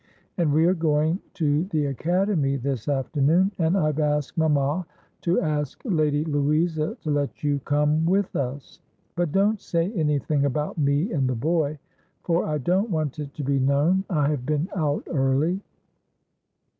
And we are going to the Academy this afternoon, and I've asked mamma to ask Lady Louisa to let you come with us. But don't say any thing about me and the boy, for I don't want it to be known I have been out early."